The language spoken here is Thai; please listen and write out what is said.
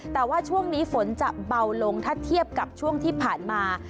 แต่ว่าช่วงนี้ฝนจะเบาลงถ้าเทียบกับช่วงที่ผ่านมา